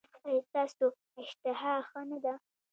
ایا ستاسو اشتها ښه نه ده؟